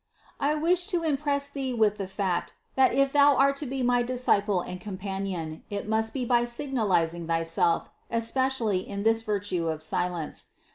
I wish to impress thee with the fact, that if thou art to be my disciple and companion, it must be by signalizing thyself especially in this virtue of silence.